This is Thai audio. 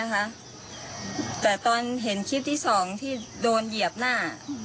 แต่แต่ตอนเฝ้นที่๒คำที่โดนเหี่ยบหน้า